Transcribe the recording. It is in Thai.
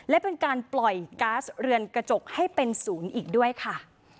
และเป็นการปล่อยก๊าซเรือนกระจกให้เป็นศูนย์อีกด้วยค่ะ